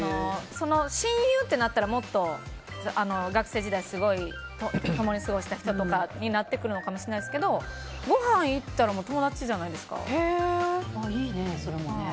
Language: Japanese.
親友ってなったらもっと学生時代すごい共に過ごした人とかになってくるのかもしれないですけどごはんに行ったらいいね、それもね。